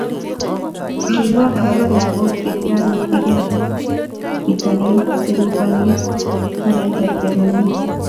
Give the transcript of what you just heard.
Kiibwat agobo lagok chekikairiruchkei, bitonin kelipani talentaisiek komie